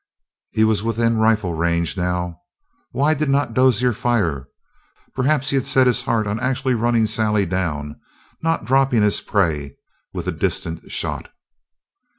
He was within rifle range now. Why did not Dozier fire? Perhaps he had set his heart on actually running Sally down, not dropping his prey with a distant shot.